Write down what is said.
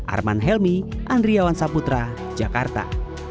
arman helmi andriawan saputra jakarta